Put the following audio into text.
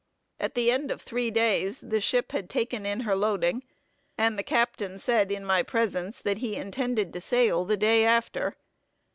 At the end of three days, the ship had taken in her loading, and the captain said in my presence that he intended to sail the day after.